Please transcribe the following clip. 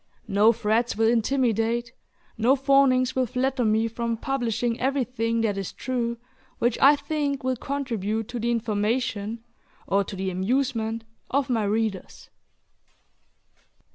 No threats will intimidate, no fawnings will flatter me from publishing everything that is true which I think will contribute to the information or to the amusement of my readers.